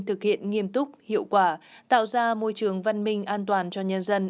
thực hiện nghiêm túc hiệu quả tạo ra môi trường văn minh an toàn cho nhân dân